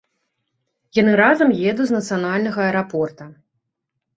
Яны разам едуць з нацыянальнага аэрапорта.